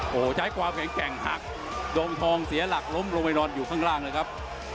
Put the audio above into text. โอ้โหใช้ความแข็งแกร่งหักโดมทองเสียหลักล้มลงไปนอนอยู่ข้างล่างเลยครับ